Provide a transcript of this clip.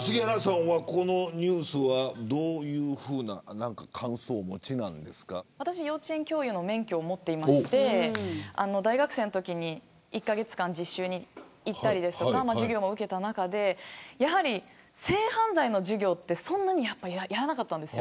杉原さんはこのニュースはどういうふうな感想を私は幼稚園教諭の免許を持っていて、大学生のときに１カ月間、実習に行ったり授業も受けた中で性犯罪の授業はそんなにやらなかったんです。